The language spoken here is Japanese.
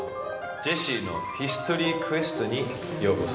ジェシーのヒストリークエストにようこそ。